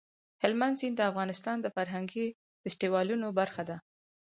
هلمند سیند د افغانستان د فرهنګي فستیوالونو برخه ده.